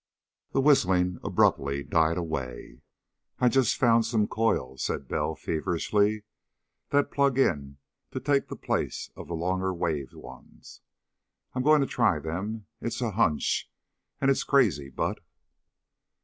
The whistling abruptly died away. "I just found some coils," said Bell feverishly, "that plug in to take the place of the longer wave ones. I'm going to try them. It's a hunch, and it's crazy, but...."